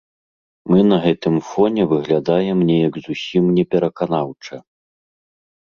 Мы на гэты фоне выглядаем неяк зусім непераканаўча.